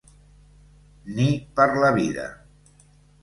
Ni per la vida.